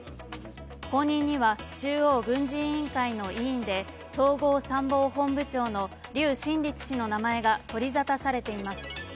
後任には中央軍事委員会の委員で統合参謀本部長の劉振立氏の名が取り沙汰されています。